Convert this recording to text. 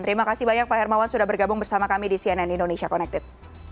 terima kasih banyak pak hermawan sudah bergabung bersama kami di cnn indonesia connected